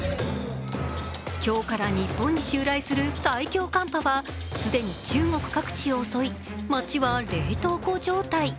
今日から日本に襲来する最強寒波は既に中国各地を襲い街は冷凍庫状態。